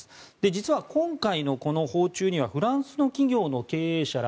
実は今回のこの訪中にはフランスの企業の経営者ら